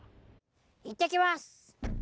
行ってきます！